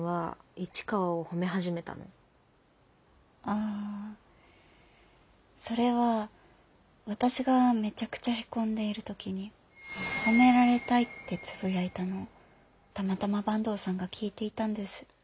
ああそれは私がめちゃくちゃへこんでいる時に「褒められたい」ってつぶやいたのをたまたま坂東さんが聞いていたんです。